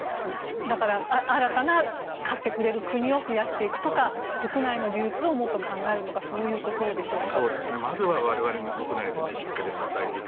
だから新たな買ってくれる国を増やしていくとか国内の流通を考えるとかそういうことでしょうか。